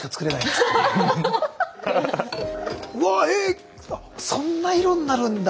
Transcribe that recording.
わあっえっそんな色になるんだ。